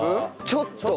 ちょっと。